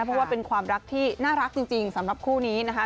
เพราะว่าเป็นความรักที่น่ารักจริงสำหรับคู่นี้นะคะ